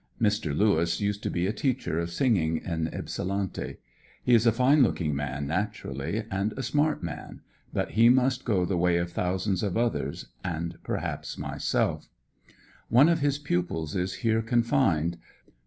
Mr. Lewis used to be a teacher of singing in Ypsilanti. He is a fine looking man natu urally, and a smart man, but he must go the way of thousands of others, and perhaps myelf One of his pupils is here confined.